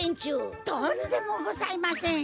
とんでもございません。